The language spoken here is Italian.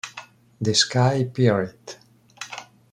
The Sky Pirate